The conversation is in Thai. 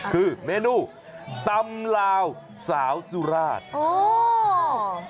คือเมนูตำลาวสาวสุราชโอ้